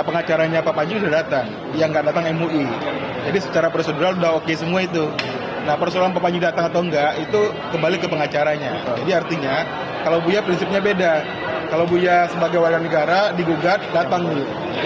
nah pengacaranya pak panji sudah datang dia nggak datang mui jadi secara prosedural sudah oke semua itu nah persoalan pak panji datang atau nggak itu kembali ke pengacaranya jadi artinya kalau beliau prinsipnya beda kalau beliau sebagai warga negara digugat datang dulu